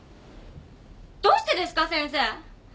どうしてですか先生？